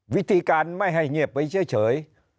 วิธีการไม่ให้เงียบไปเฉย